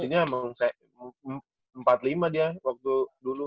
udah gila banget ya waktu dulu